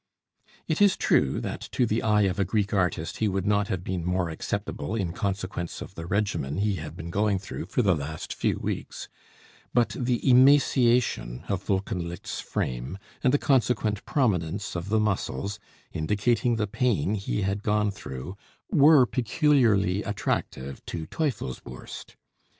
It is true, that to the eye of a Greek artist he would not have been more acceptable in consequence of the regimen he had been going through for the last few weeks; but the emaciation of Wolkenlicht's frame, and the consequent prominence of the muscles, indicating the pain he had gone through, were peculiarly attractive to Teufelsbürst.